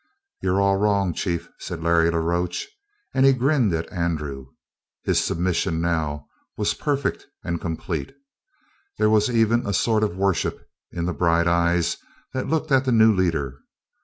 "You're all wrong, chief," said Larry la Roche, and he grinned at Andrew. His submission now was perfect and complete. There was even a sort of worship in the bright eyes that looked at the new leader.